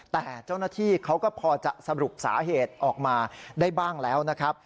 แต่เจ้าหน้าที่เขาก็พอจะสรุปสาเหตุออกมาได้บ้างแล้วนะครับ